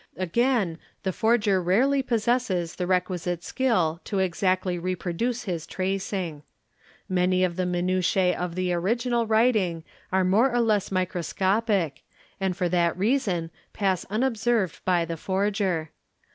Again, the forger rarely possesses the requisite skill 1 exactly reproduce his tracing. Many of the minutiae of the origin writing are more or less microscopic and for that reason pass unobserv by the forger.